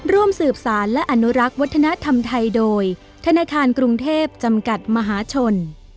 ร่วมสืบสารและอนุรักษ์วัฒนธรรมไทยโดยธนาคารกรุงเทพจำกัดมหาชน